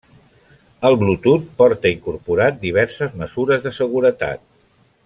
El Bluetooth porta incorporat diverses mesures de seguretat.